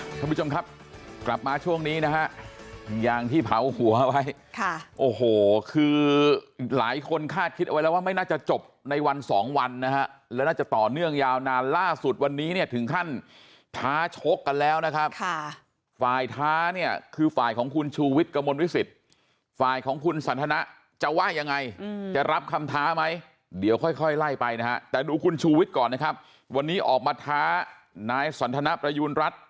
คุณผู้ชมครับกลับมาช่วงนี้นะฮะอย่างที่เผาหัวไว้ค่ะโอ้โหคือหลายคนคาดคิดไว้แล้วว่าไม่น่าจะจบในวันสองวันนะฮะแล้วน่าจะต่อเนื่องยาวนานล่าสุดวันนี้เนี้ยถึงขั้นท้าชกกันแล้วนะครับค่ะฝ่ายท้าเนี้ยคือฝ่ายของคุณชูวิทย์กระมวลวิสิตฝ่ายของคุณสันทนะจะว่ายังไงอืมจะรับคำท